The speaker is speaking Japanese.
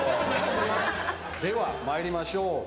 では参りましょう。